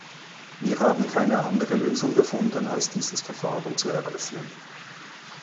Wir haben keine andere Lösung gefunden, als dieses Verfahren zu eröffnen.